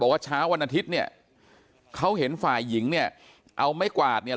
ว่าเช้าวันอาทิตย์เนี่ยเขาเห็นฝ่ายหญิงเนี่ยเอาไม้กวาดเนี่ย